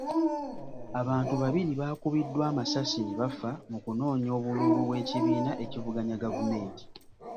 Abantu babiri baakubiddwa amasasi ne bafa mu kunoonya obululu bw'ekibiina ekivuganya gavumenti.